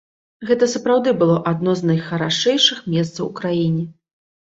Гэта сапраўды было адно з найхарашэйшых месцаў у краіне.